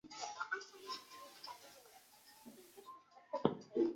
为金庸小说中武功最绝顶的高手之一。